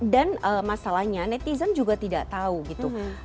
dan masalahnya netizen juga tidak tahu gitu